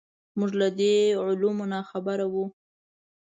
موږ له دې علومو ناخبره وو.